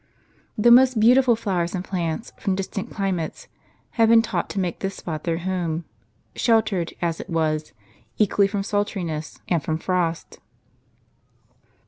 The most beautiful flowers and plants from distant climates had been taught to make this spot their home, sheltered, as it was, equally from sultriness and from frost.